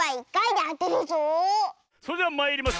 それではまいります！